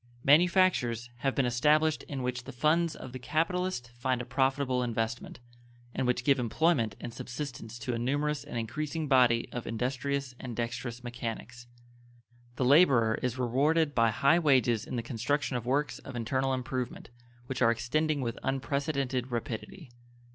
Manufactures have been established in which the funds of the capitalist find a profitable investment, and which give employment and subsistence to a numerous and increasing body of industrious and dexterous mechanics. The laborer is rewarded by high wages in the construction of works of internal improvement, which are extending with unprecedented rapidity.